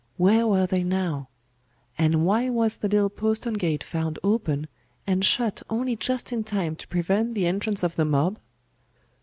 Where were they now? And why was the little postern gate found open, and shut only just in time to prevent the entrance of the mob?